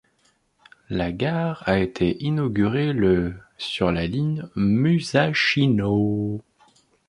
La gare a été inaugurée le sur la ligne Musashino.